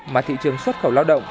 mà thị trường xuất khẩu lao động